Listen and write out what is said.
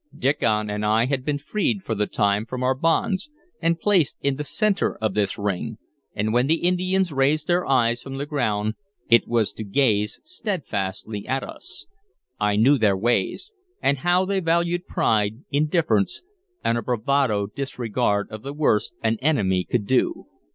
Diccon and I had been freed for the time from our bonds, and placed in the centre of this ring, and when the Indians raised their eyes from the ground it was to gaze steadfastly at us. I knew their ways, and how they valued pride, indifference, and a bravado disregard of the worst an enemy could do.